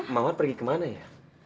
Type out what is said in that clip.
mawar pergi kemana ya